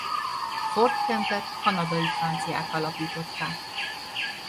Fort Kentet kanadai franciák alapították.